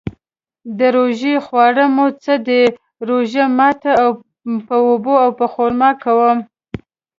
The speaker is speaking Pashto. د روژې خواړه مو څه ده؟ روژه ماتی په اوبو او خرما کوم